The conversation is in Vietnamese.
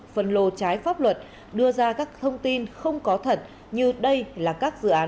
phần lô trái pháp luật đưa ra các thông tin không có thật như đây là các dự án